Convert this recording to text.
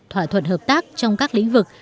thỏa thuận hợp tác trong các lĩnh vực